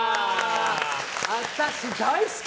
私、大好き。